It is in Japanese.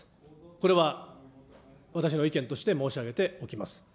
これは私の意見として申し上げておきます。